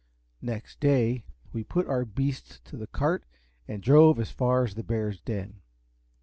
Next day we put our beasts to the cart and drove as far as the bear's den.